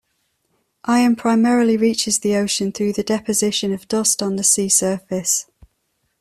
Iron primarily reaches the ocean through the deposition of dust on the sea surface.